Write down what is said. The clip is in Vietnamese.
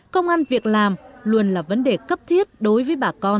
công an việc làm luôn là vấn đề cấp thiết đối với bà con